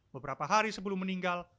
beberapa hari sebelum meninggal